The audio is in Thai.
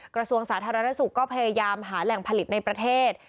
กระทรวงสาธารณสุขก็พยายามหาแหล่งผลิตในประเทศ